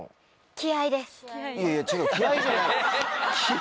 気合です。